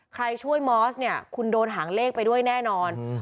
ใครช่วยมอสเนี่ยคุณโดนหางเลขไปด้วยแน่นอน